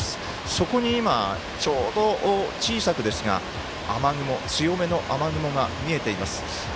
そこに今、ちょうど小さくですが強めの雨雲が見えています。